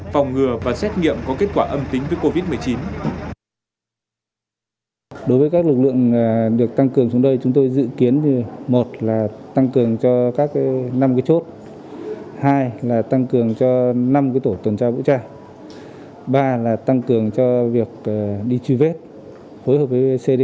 phòng ngừa và xét nghiệm có kết quả âm tính với covid một mươi chín